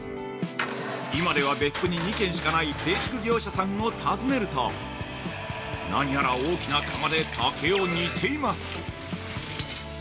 今では別府に２軒しかない製竹業者さんを訪ねると何やら大きな釜で竹を煮ています。